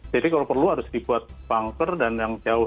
jadi kalau perlu harus dibuat bunker dan yang jauh